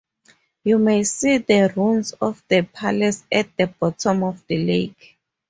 You may see the ruins of the palace at the bottom of the lake.